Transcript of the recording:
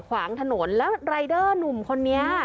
ขวางถนนแล้วรายเดอร์หนุ่มคนนี้